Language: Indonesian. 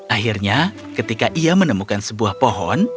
akhirnya ketika ia menemukan sebuah pohon